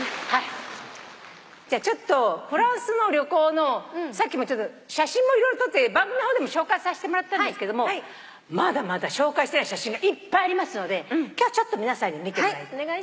じゃあちょっとフランスの旅行のさっきも言ったけど写真も色々撮って番組の方でも紹介させてもらったんですけどまだまだ紹介してない写真がいっぱいありますので今日はちょっと皆さんに見てもらいたい。